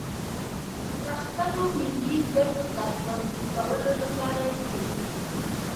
د خپلو ملي گټو د خوندي کولو لپاره کوي